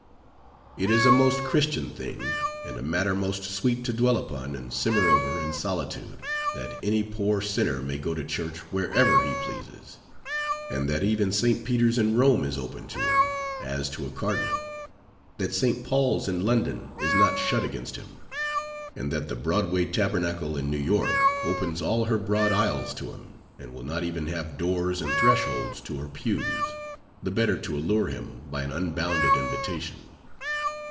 It is a most Christian thing, and a matter most sweet to dwell upon and simmer over in solitude, that any poor sinner may go to church wherever he pleases; and that even St. Peter's in Rome is open to him, as to a cardinal; that St. Paul's in London is not shut against him; and that the Broadway Tabernacle, in New York, opens all her broad aisles to him, and will not even have doors and thresholds to her pews, the better to allure him by an unbounded invitation.